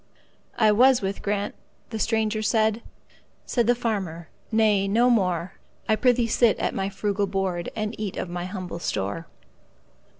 "I was with Grant"—the stranger said; Said the farmer, "Nay, no more,—I prithee sit at my frugal board, And eat of my humble store.